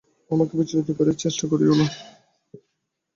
আমাকে বিচলিত করিবার চেষ্টা করিয়ো না।